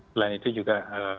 selain itu juga